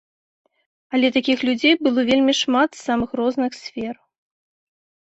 Але такіх людзей было вельмі шмат з самых розных сфер.